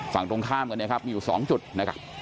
ฝั่งตรงข้ามกันเนี่ยครับมีอยู่๒จุดนะครับ